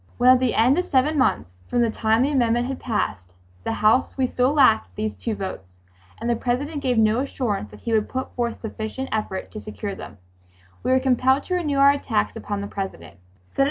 When at the end of seven months from the time the amendment had passed the House, we still lacked these two votes, and the President gave no assurance that he would put forth sufficient effort to secure them, we were compelled to renew our attacks upon the President.